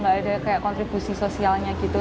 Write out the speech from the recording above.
gak ada kayak kontribusi sosialnya gitu